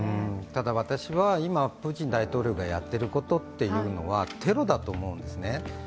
ただ、私は今、プーチン大統領がやっていることというのはテロだと思うんですね。